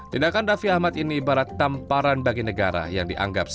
tindakan raffi ahmad ini ibarat tamparan bagi negara yang dianggap